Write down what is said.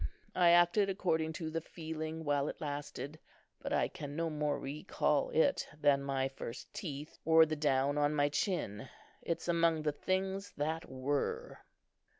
I acted according to the feeling, while it lasted; but I can no more recall it than my first teeth, or the down on my chin. It's among the things that were."